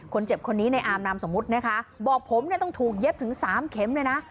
คนเจ็บคนนี้ในอารมณ์นะคะบอกผมเลยต้องถูกเย็บถึง๓เค็มเลยน่ะ